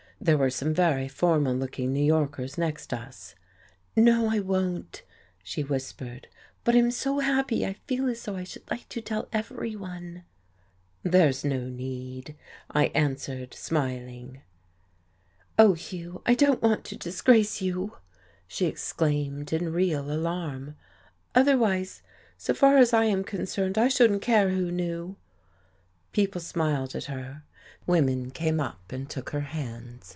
There were some very formal looking New Yorkers next us. "No, I won't," she whispered. "But I'm so happy I feel as though I should like to tell everyone." "There's no need," I answered smiling. "Oh, Hugh, I don't want to disgrace you!" she exclaimed, in real alarm. "Otherwise, so far as I am concerned, I shouldn't care who knew." People smiled at her. Women came up and took her hands.